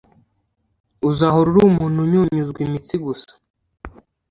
uzahora uri umuntu unyunyuzwa imitsi gusa